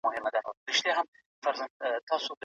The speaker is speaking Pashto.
تر پایه مي ټول شیان تنظیم کړي وو.